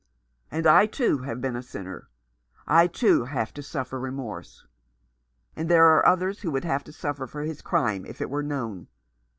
And I, too, have been a sinner. I, too, have to suffer remorse. And there are others who would have to suffer for his crime if it were known.